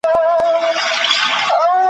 د طبیب له نامردیه خپل پرهار ته غزل لیکم `